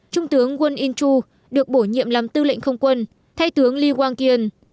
trung tướng won in chul được bổ nhiệm làm tư lệnh không quân thay tướng lee gwang kil